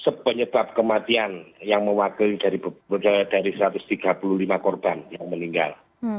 se penyebab kematian yang mewakili dari satu ratus tiga puluh lima korban yang meninggal